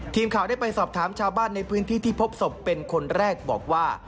ทีมข่าวได้ไปสอบถามชาวบ้านในพื้นที่ที่พบศพเป็นคนแรกบอกว่า